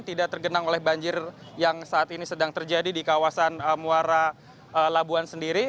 tidak tergenang oleh banjir yang saat ini sedang terjadi di kawasan muara labuan sendiri